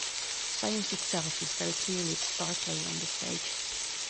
Science itself is very clearly the star player on this stage.